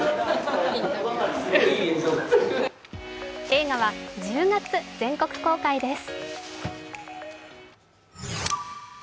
映画は１０月全国公開です。